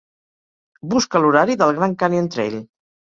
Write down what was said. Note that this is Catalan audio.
Busca l'horari del Grand Canyon Trail.